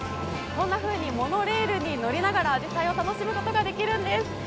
こんなふうにモノレールに乗りながら、あじさいを楽しむことができるんです。